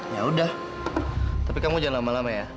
yaudah tapi kamu jangan lama lama ya